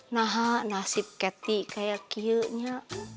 nah nasib kety kayak keel nya